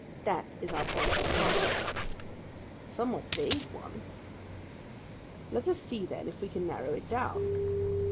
That is our point of departure." "A somewhat vague one." "Let us see then if we can narrow it down.